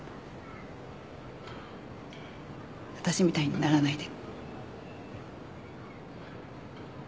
私みたいにならないで。